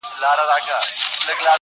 هر څوک د پېښې کيسه بيا بيا تکراروي,